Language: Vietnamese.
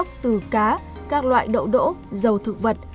chất béo có nguồn gốc từ cá các loại đậu đỗ dầu thực vật